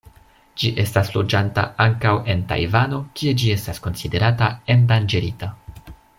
Ĝi estas loĝanta ankaŭ en Tajvano, kie ĝi estas konsiderata endanĝerita.